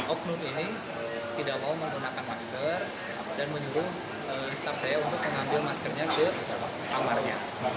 oknum ini tidak mau menggunakan masker dan menyuruh staff saya untuk mengambil maskernya ke kamarnya